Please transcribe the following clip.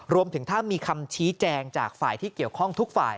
รวมถึงถ้ามีคำชี้แจงจากฝ่ายที่เกี่ยวข้องทุกฝ่าย